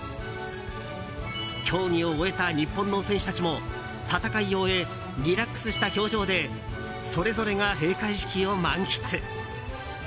競技を終えた日本の選手たちも戦いを終えリラックスした表情でそれぞれが閉会式を満喫。